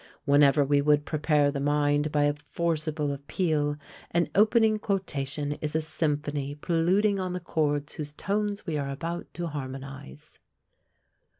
Whenever we would prepare the mind by a forcible appeal, an opening quotation is a symphony preluding on the chords whose tones we are about to harmonise.